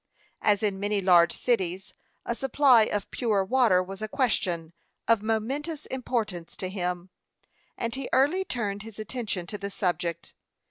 As in many large cities, a supply of pure water was a question, of momentous importance to him, and he early turned his attention to the subject.